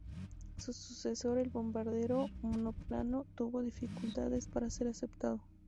Su sucesor, el bombardero monoplano, tuvo dificultades para ser aceptado.